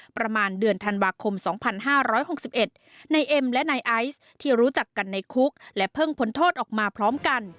ประมาณเดือนธันบาคคมสองพันห้าร้อยหกสิบเอ็ดนายเอ็มและนายไอซ์ที่รู้จักกันในคุกและเพิ่งผลโทษออกมาพร้อมกัน